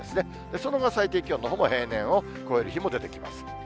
その後、最低気温も平年を超える日も出てきます。